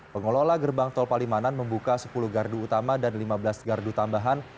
pengelola gerbang tol palimanan membuka sepuluh gardu utama dan lima belas gardu tambahan